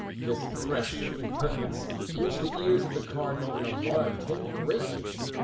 This fresh impertinence reached the ears of the cardinal and alarmed him greatly.